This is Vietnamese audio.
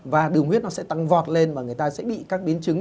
và đường huyết nó sẽ tăng vọt lên và người ta sẽ bị các biến chứng